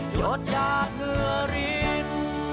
หยดยากเหนือริน